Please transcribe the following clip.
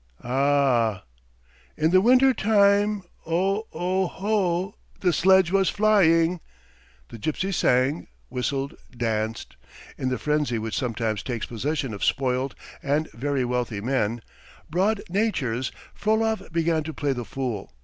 A a ah!" "In the winter time ... o o ho! ... the sledge was flying ..." The gypsies sang, whistled, danced. In the frenzy which sometimes takes possession of spoilt and very wealthy men, "broad natures," Frolov began to play the fool.